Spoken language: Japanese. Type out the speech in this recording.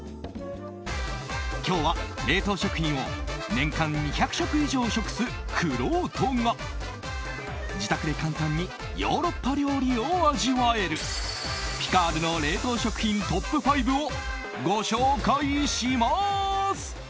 今日は冷凍食品を年間２００食以上食すくろうとが自宅で簡単にヨーロッパ料理を味わえるピカールの冷凍食品トップ５をご紹介します。